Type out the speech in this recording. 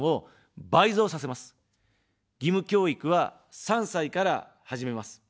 義務教育は３歳から始めます。